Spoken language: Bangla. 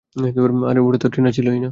আর ওটা তো টিনা ছিলোই না।